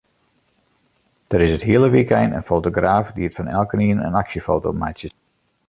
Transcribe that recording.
Der is it hiele wykein in fotograaf dy't fan elkenien in aksjefoto meitsje sil.